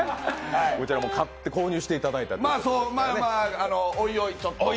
こちら購入していただいたという。